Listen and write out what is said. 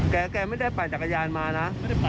แกไม่ได้ปั่นจักรยานมานะ